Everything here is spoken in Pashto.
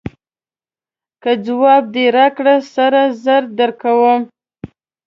که ځواب دې راکړ سره زر درکوم.